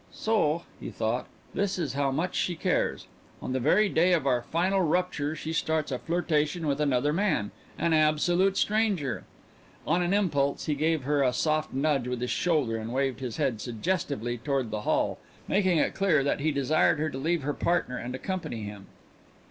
"So," he thought, "this is how much she cares! On the very day of our final rupture she starts a flirtation with another man an absolute stranger." On an impulse he gave her a soft nudge with his shoulder and waved his head suggestively toward the hall, making it clear that he desired her to leave her partner and accompany him.